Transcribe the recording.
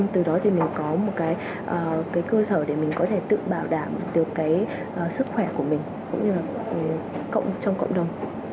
từ đó thì mình có một cái cơ sở để mình có thể tự bảo đảm được cái sức khỏe của mình cũng như là trong cộng đồng